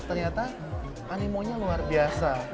ternyata animonya luar biasa